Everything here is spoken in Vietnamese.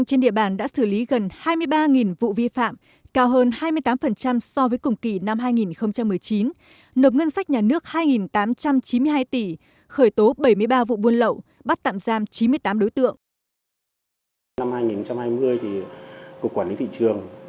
cao hơn hai mươi tám so với cùng kỳ năm hai nghìn một mươi chín nộp ngân sách nhà nước hai tám trăm chín mươi hai tỷ khởi tố bảy mươi ba vụ buôn lậu bắt tạm giam chín mươi tám đối tượng